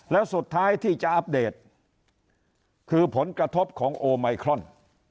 แล้วสุดท้ายที่จะอัปเดตคือผลกระทบของโอไมครอน